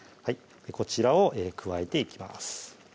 こちらを加えていきます